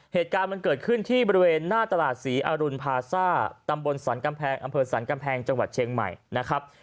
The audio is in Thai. เหตุการณ์มันเกิดขึ้นที่บริเวณหน้าตลาดศรีอรุณพาซ่าตำบลสรรกำแพงอำเภอสรรกำแพงจังหวัดเชียงใหม่นะครับ